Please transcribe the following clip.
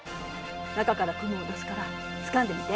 中から雲を出すからつかんでみて。